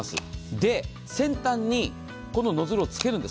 で、先端にこのノズルをつけるんです。